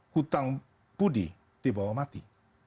hutang budi di bawah mati